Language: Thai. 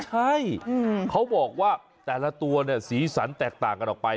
ใช่เขาบอกว่าแต่ละตัวเนี่ยสีสันแตกต่างกันออกไป